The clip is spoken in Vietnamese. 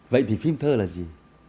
vậy thì phim thơ là gì